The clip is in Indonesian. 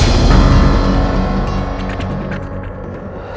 aku harus di kameran lima